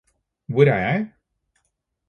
hvor er jeg